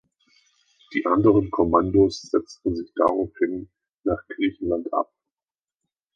Die anderen Kommandos setzten sich daraufhin nach Griechenland ab.